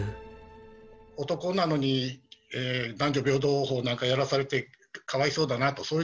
男なのに男女平等法なんかやらされてかわいそうだなと。